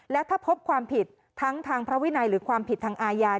และถ้าพบความผิดทั้งทางพระวินัยหรือความผิดทางอาญา